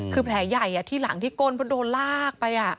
คือแผลใหญ่ที่หลังที่ก้นเพราะโดนลากไป